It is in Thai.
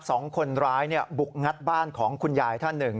สองคนร้ายบุกงัดบ้านของคุณยายท่านหนึ่ง